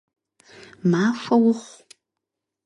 Махуэ ухъу!